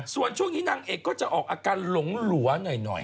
ส่วนช่วงนี้นางเอกก็จะออกอาการหลงหลัวหน่อย